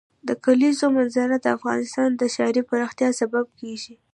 د کلیزو منظره د افغانستان د ښاري پراختیا سبب کېږي.